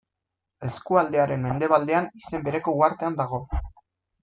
Eskualdearen mendebaldean izen bereko uhartean dago.